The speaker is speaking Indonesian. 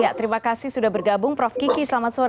ya terima kasih sudah bergabung prof kiki selamat sore